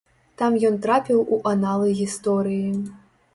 Там ён трапіў у аналы гісторыі.